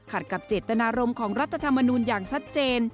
กับเจตนารมณ์ของรัฐธรรมนูลอย่างชัดเจน